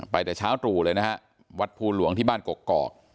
แต่เช้าตรู่เลยนะฮะวัดภูหลวงที่บ้านกกอก